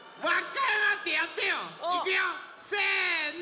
いくよせの。